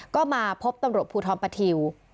ก็มาพบตำรวจภูทรปฐิว